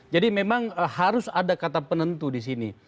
jadi memang harus ada kata penentu di sini